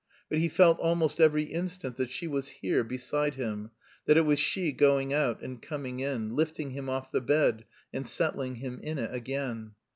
But he felt almost every instant that she was here, beside him; that it was she going out and coming in, lifting him off the bed and settling him in it again.